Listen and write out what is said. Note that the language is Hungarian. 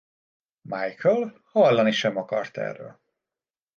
Michael hallani sem akart erről.